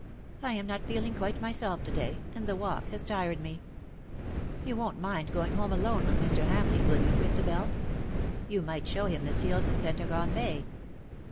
" I am not feeling quite myself to day, and the walk has tired me. You won^t mind FI103I WINTRY COLD." Ill going home alone with Mr. Hamleigh_, will yon, Christabel? You might show him the seals in Pentargon Bay."